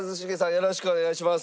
よろしくお願いします。